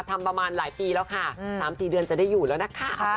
ทำประมาณหลายปีแล้วค่ะ๓๔เดือนจะได้อยู่แล้วนะคะ